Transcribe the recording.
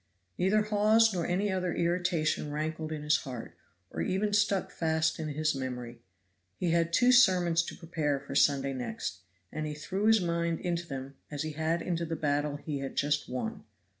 Neither Hawes nor any other irritation rankled in his heart, or even stuck fast in his memory. He had two sermons to prepare for Sunday next, and he threw his mind into them as he had into the battle he had just won.